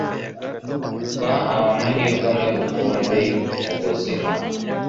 twahawe amahirwe amwe rukumbi mu buzima